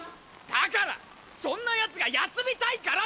だからそんな奴が休みたいからって